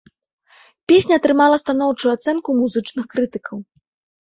Песня атрымала станоўчую ацэнку музычных крытыкаў.